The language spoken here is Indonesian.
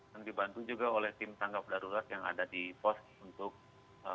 dan dibantu juga oleh tim tanggap darurat yang ada di pos untuk membantu analisa aktivitas gunung anak rakatau